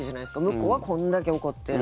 向こうはこんだけ怒ってる。